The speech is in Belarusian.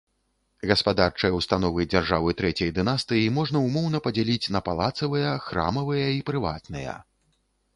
Гаспадарчыя ўстановы дзяржавы трэцяй дынастыі можна ўмоўна падзяліць на палацавыя, храмавыя і прыватныя.